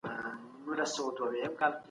د فساد مخه نیول د هر چا دنده ده.